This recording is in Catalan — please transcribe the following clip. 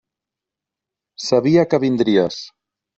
Sabia que vindries.